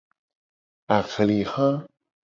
Ahliha.